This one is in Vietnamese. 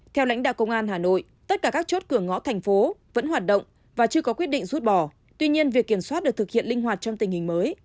tuy nhiên việc kiểm soát được thực hiện linh hoạt trong tình hình mới